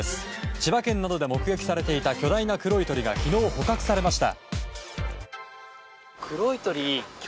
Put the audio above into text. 千葉県などで目撃されていた巨大な黒い鳥が昨日、捕獲されました。